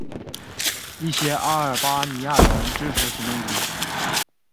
一些阿尔巴尼亚人支持行动军。